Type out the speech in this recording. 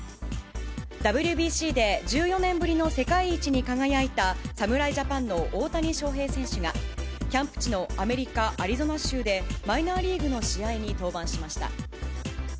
ＷＢＣで１４年ぶりの世界一に輝いた侍ジャパンの大谷翔平選手が、キャンプ地のアメリカ・アリゾナ州で、マイナーリーグの試合に登板しました。